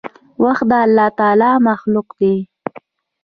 وخت د الله تعالي مخلوق دی.